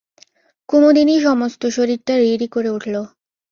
কুমুদিনীর সমস্ত শরীরটা রী রী করে উঠল।